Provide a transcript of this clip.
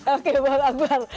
oke bang akbar